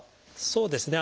そうですね。